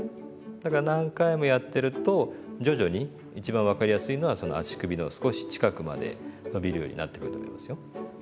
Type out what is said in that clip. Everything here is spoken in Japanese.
だから何回もやってると徐々に一番分かりやすいのはその足首の少し近くまで伸びるようになってくると思いますよ。